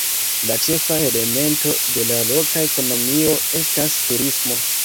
La ĉefa elemento de la loka ekonomio estas turismo.